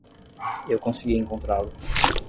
Eu consegui encontrá-lo.